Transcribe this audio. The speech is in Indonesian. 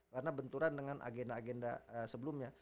karena benturan dengan agenda agenda sebelumnya